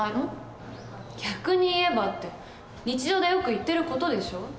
「逆に言えば」って日常でよく言ってる事でしょ。